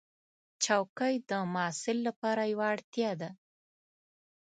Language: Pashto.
چوکۍ د محصل لپاره یوه اړتیا ده.